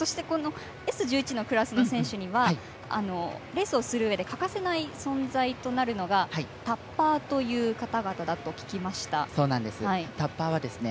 Ｓ１１のクラスにはレースをするうえで欠かせない存在となるのがタッパーという方々だと聞きました。